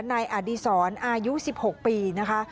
นายอดีศรอายุ๑๖ปีนะคะ